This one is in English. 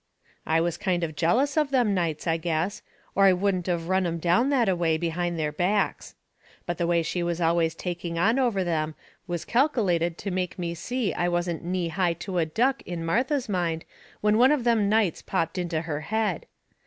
I was kind of jealous of them nights, I guess, or I wouldn't of run 'em down that a way behind their backs. But the way she was always taking on over them was calkelated to make me see I wasn't knee high to a duck in Martha's mind when one of them nights popped into her head.